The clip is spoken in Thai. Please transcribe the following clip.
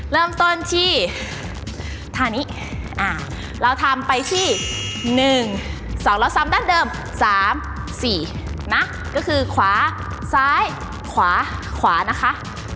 เริ่มต้นที่ท่านี้เราทำไปที่๑๒แล้วซ้ำดั้งเดิม๓๔นะก็คือขวาซ้ายขวาขวานะคะ